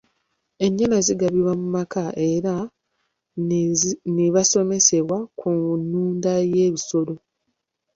Ennyana zigabibwa mu maka era ne basomesebwa ku nnunda y'ebisolo.